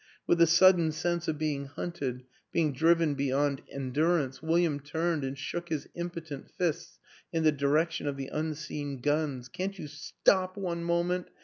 With a sudden sense of being hunted, be ing driven beyond endurance, William turned and shook his impotent fists in the direction of the un seen guns. " Can't you stop one moment?"